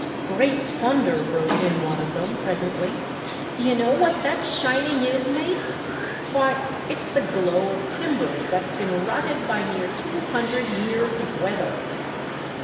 "Great thunder !" broke In one of them, presently, " d'ye know what that shining is, mates .* Why, it's the glow of timbers that's been rotted by near two hundred years of weather."